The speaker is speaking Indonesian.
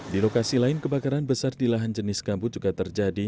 di lokasi lain kebakaran besar di lahan jenis gambut juga terjadi